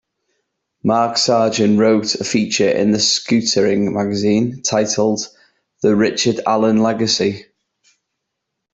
Mark Sargeant wrote a feature in "Scootering Magazine" titled "The Richard Allen Legacy".